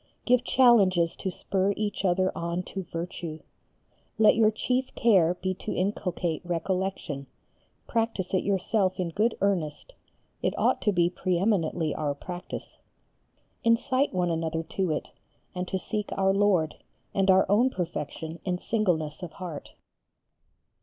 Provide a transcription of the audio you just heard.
Give challenges to spur each other on to virtue. Let your chief care be to inculcate recollection, practise it yourself in good earnest, it ought to be preeminently our practice. Incite one another to it, and to seek Our Lord, and our own perfection in singleness of heart.